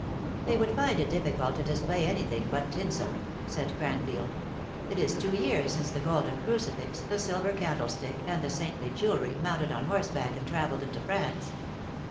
" They would find it difficult to display any thing but tinsel," said Cranfield. " It is two years since the golden crucifix, the silver candlestick, arid the saintly jewelry, mounted on horseback and traveled into France."